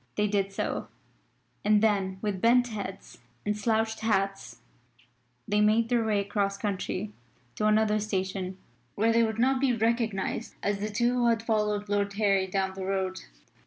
They did so, and then with bent heads and slouched hats, they made their way across country to another station where they would not be recognised as the two who had followed Lord Harry down the road.